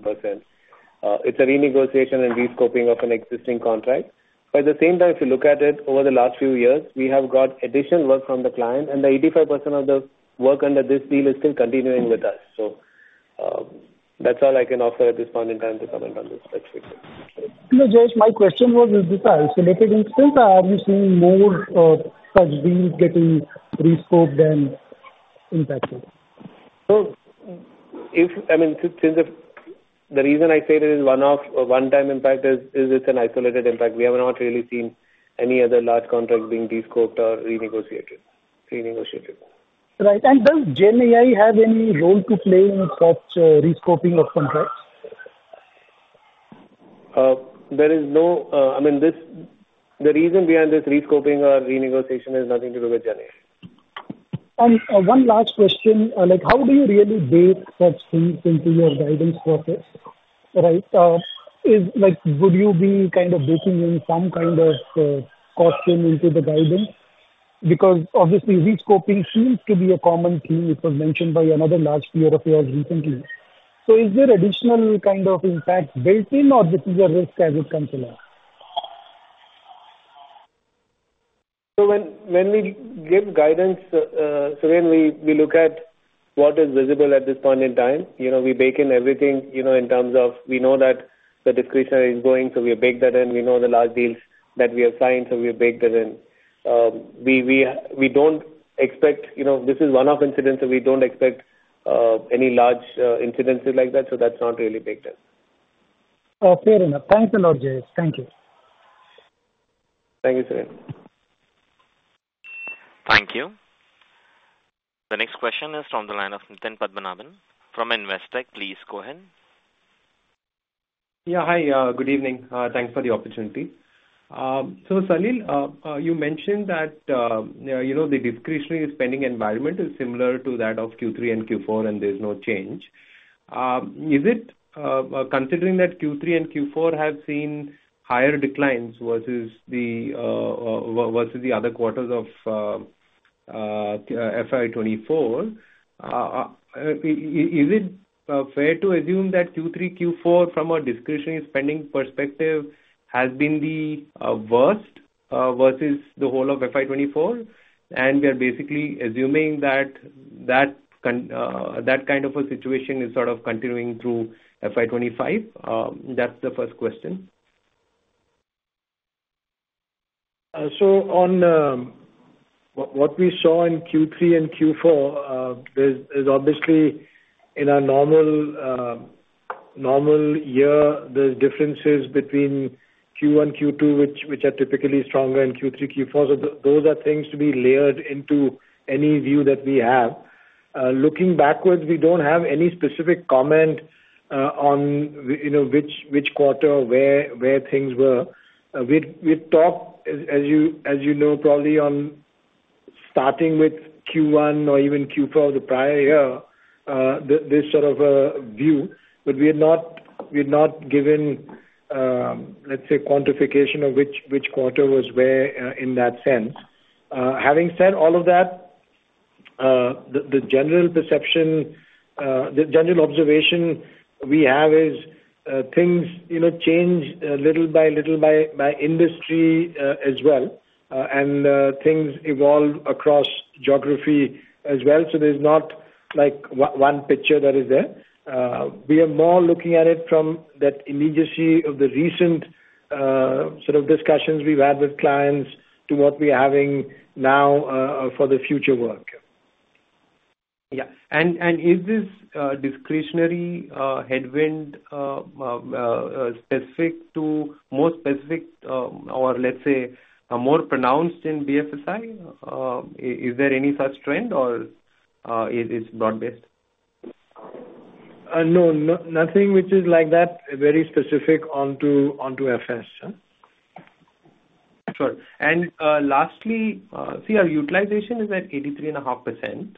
It's a renegotiation and rescoping of an existing contract. But at the same time, if you look at it, over the last few years, we have got additional work from the client, and the 85% of the work under this deal is still continuing with us. So that's all I can offer at this point in time to comment on this specifically. No, Jayesh, my question was, is this an isolated instance, or are you seeing more such deals getting rescoped and impacted? I mean, the reason I say there is one-time impact is it's an isolated impact. We have not really seen any other large contract being rescoped or renegotiated. Right. Does GenAI have any role to play in such rescoping of contracts? There is no, I mean, the reason behind this rescoping or renegotiation has nothing to do with GenAI. One last question, how do you really bake such things into your guidance process, right? Would you be kind of baking in some kind of contingency into the guidance? Because obviously, rescoping seems to be a common theme. It was mentioned by another large peer of yours recently. So is there additional kind of impact built-in, or this is a risk as it comes along? So when we give guidance, Surendra, we look at what is visible at this point in time. We bake in everything in terms of we know that the discretionary is going, so we have baked that in. We know the large deals that we have signed, so we have baked that in. We don't expect this is one-off incident, so we don't expect any large incidences like that. So that's not really baked in. Fair enough. Thanks a lot, Jayesh. Thank you. Thank you, Surendra. Thank you. The next question is from the line of Nitin Padmanabhan from Investec. Please go ahead. Yeah. Hi. Good evening. Thanks for the opportunity. So Salil, you mentioned that the discretionary spending environment is similar to that of Q3 and Q4, and there's no change. Is it considering that Q3 and Q4 have seen higher declines versus the other quarters of FY 2024, is it fair to assume that Q3, Q4, from a discretionary spending perspective, has been the worst versus the whole of FY 2024, and we are basically assuming that that kind of a situation is sort of continuing through FY 2025? That's the first question. So on what we saw in Q3 and Q4, there's obviously in a normal year, there's differences between Q1, Q2, which are typically stronger, and Q3, Q4. So those are things to be layered into any view that we have. Looking backwards, we don't have any specific comment on which quarter or where things were. We talked, as you know probably, starting with Q1 or even Q4 of the prior year, this sort of a view. But we had not given, let's say, quantification of which quarter was where in that sense. Having said all of that, the general perception, the general observation we have is things change little by little by industry as well, and things evolve across geography as well. So there's not one picture that is there. We are more looking at it from that immediacy of the recent sort of discussions we've had with clients to what we are having now for the future work. Yeah. And is this discretionary headwind more specific or, let's say, more pronounced in BFSI? Is there any such trend, or is it broad-based? No, nothing which is like that very specific onto FS. Sure. And lastly, see, our utilization is at 83.5%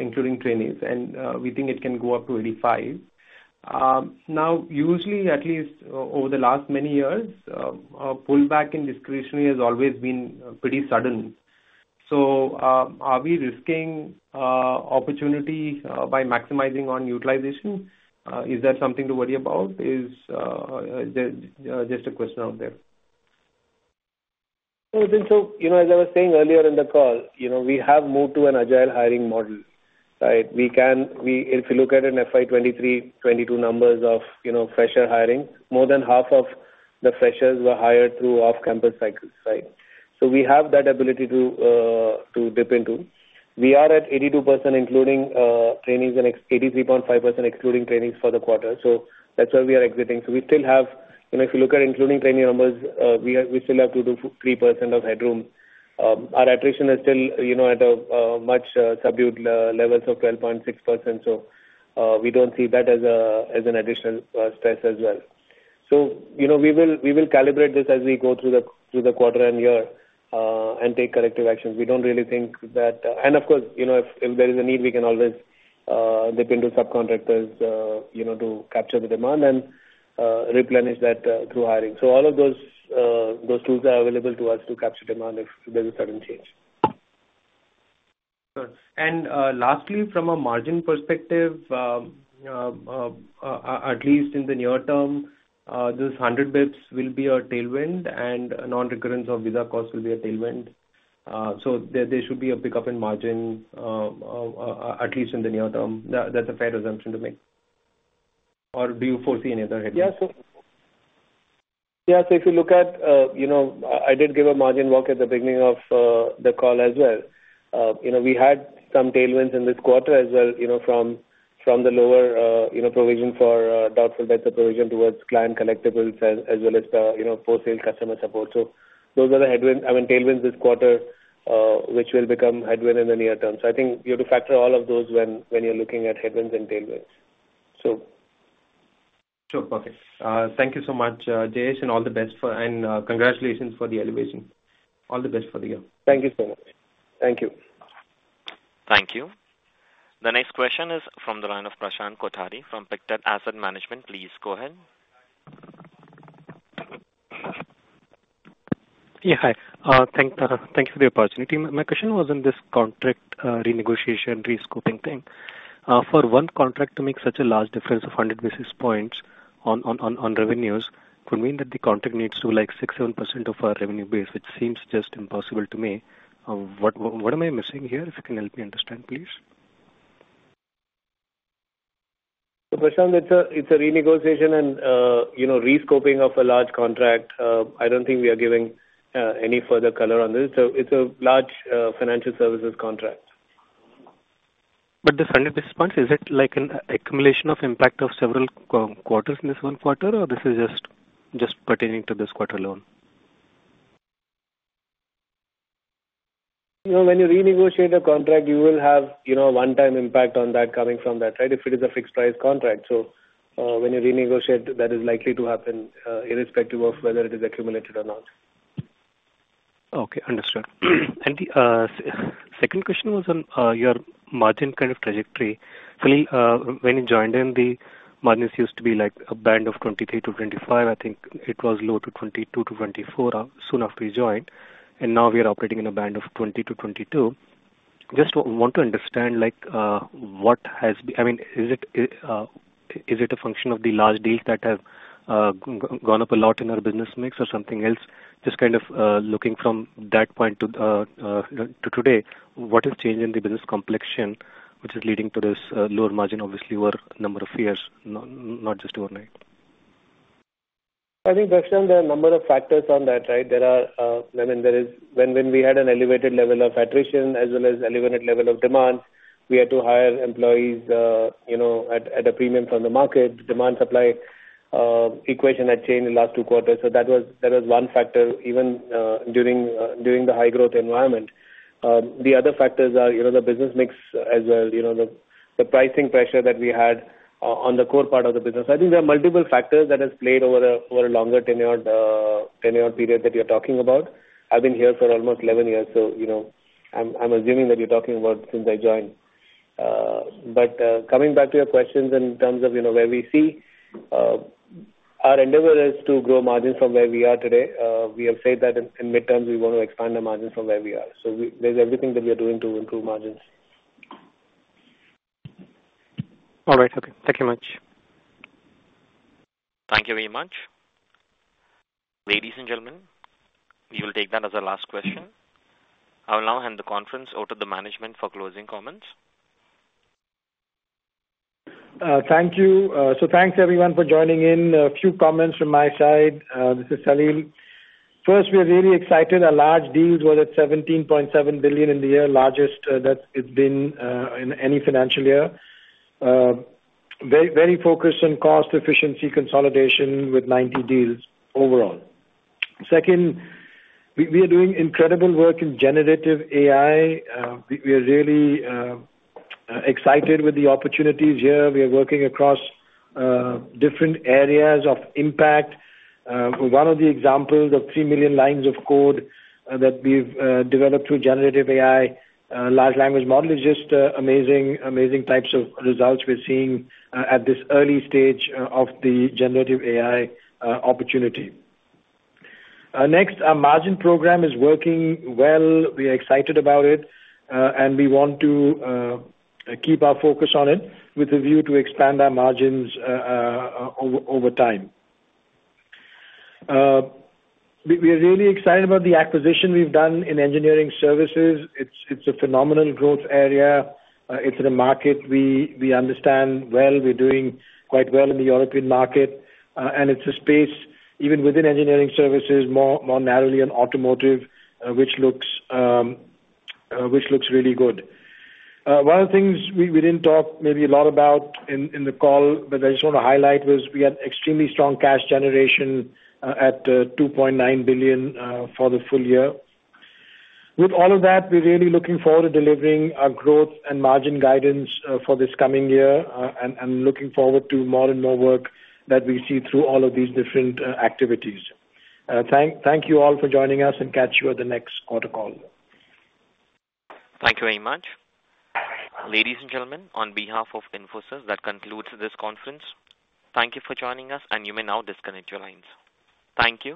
including trainees, and we think it can go up to 85%. Now, usually, at least over the last many years, pullback in discretionary has always been pretty sudden. So are we risking opportunity by maximizing on utilization? Is that something to worry about? It's just a question out there. So Nitin, so as I was saying earlier in the call, we have moved to an agile hiring model, right? If you look at an FY 2023-2022 numbers of fresher hiring, more than half of the freshers were hired through off-campus cycles, right? So we have that ability to dip into. We are at 82% including trainees and 83.5% excluding trainees for the quarter. So that's where we are exiting. So we still have if you look at including trainee numbers, we still have 2%-3% of headroom. Our attrition is still at much subdued levels of 12.6%. So we don't see that as an additional stress as well. So we will calibrate this as we go through the quarter and year and take corrective actions. We don't really think that and of course, if there is a need, we can always dip into subcontractors to capture the demand and replenish that through hiring. So all of those tools are available to us to capture demand if there's a sudden change. Sure. And lastly, from a margin perspective, at least in the near term, those 100 basis points will be a tailwind, and non-recurrence of visa costs will be a tailwind. So there should be a pickup in margin at least in the near term. That's a fair assumption to make. Or do you foresee any other headwinds? Yeah. So if you look at, I did give a margin walk at the beginning of the call as well. We had some tailwinds in this quarter as well from the lower provision for doubtful debts or provision towards client collectibles as well as post-sale customer support. So those are the headwinds—I mean, tailwinds—this quarter, which will become headwind in the near term. So I think you have to factor all of those when you're looking at headwinds and tailwinds, so. Sure. Perfect. Thank you so much, Jayesh, and all the best for and congratulations for the elevation. All the best for the year. Thank you so much. Thank you. Thank you. The next question is from the line of Prashant Kothari from Pictet Asset Management. Please go ahead. Yeah. Hi. Thank you for the opportunity. My question was on this contract renegotiation, rescoping thing. For one contract to make such a large difference of 100 basis points on revenues could mean that the contract needs to do 6%-7% of our revenue base, which seems just impossible to me. What am I missing here? If you can help me understand, please. Prashant, it's a renegotiation and rescoping of a large contract. I don't think we are giving any further color on this. It's a large financial services contract. Those 100 basis points, is it an accumulation of impact of several quarters in this one quarter, or this is just pertaining to this quarter alone? When you renegotiate a contract, you will have one-time impact on that coming from that, right, if it is a fixed-price contract. So when you renegotiate, that is likely to happen irrespective of whether it is accumulated or not. Okay. Understood. The second question was on your margin kind of trajectory. Salil, when you joined in, the margins used to be a band of 23%-25%. I think it was low to 22%-24% soon after you joined. And now we are operating in a band of 20%-22%. Just want to understand what has been—I mean, is it a function of the large deals that have gone up a lot in our business mix or something else? Just kind of looking from that point to today, what has changed in the business complexion which is leading to this lower margin, obviously, over a number of years, not just overnight? I think, Prashant, there are a number of factors on that, right? I mean, when we had an elevated level of attrition as well as an elevated level of demand, we had to hire employees at a premium from the market. Demand-supply equation had changed the last two quarters. So that was one factor even during the high-growth environment. The other factors are the business mix as well, the pricing pressure that we had on the core part of the business. I think there are multiple factors that have played over a longer tenure period that you're talking about. I've been here for almost 11 years, so I'm assuming that you're talking about since I joined. But coming back to your questions in terms of where we see, our endeavor is to grow margins from where we are today. We have said that in the medium term, we want to expand our margins from where we are. So there's everything that we are doing to improve margins. All right. Okay. Thank you much. Thank you very much. Ladies and gentlemen, we will take that as our last question. I will now hand the conference over to the management for closing comments. Thank you. Thanks, everyone, for joining in. A few comments from my side. This is Salil. First, we are really excited. Our large deals were at $17.7 billion in the year, largest that it's been in any financial year. Very focused on cost efficiency consolidation with 90 deals overall. Second, we are doing incredible work in generative AI. We are really excited with the opportunities here. We are working across different areas of impact. One of the examples of three million lines of code that we've developed through generative AI, large language model, is just amazing types of results we're seeing at this early stage of the generative AI opportunity. Next, our margin program is working well. We are excited about it, and we want to keep our focus on it with a view to expand our margins over time. We are really excited about the acquisition we've done in engineering services. It's a phenomenal growth area. It's in a market we understand well. We're doing quite well in the European market, and it's a space even within engineering services, more narrowly in automotive, which looks really good. One of the things we didn't talk maybe a lot about in the call that I just want to highlight was we had extremely strong cash generation at $2.9 billion for the full year. With all of that, we're really looking forward to delivering our growth and margin guidance for this coming year and looking forward to more and more work that we see through all of these different activities. Thank you all for joining us, and catch you at the next quarter call. Thank you very much. Ladies and gentlemen, on behalf of Infosys, that concludes this conference. Thank you for joining us, and you may now disconnect your lines. Thank you.